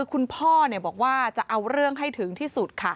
คุณพ่อบอกว่าจะเอาเรื่องให้ถึงที่สุดค่ะ